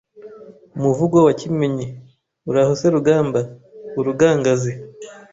Umuvugo wa Kimenyi:Uraho se Rugamba urugangazi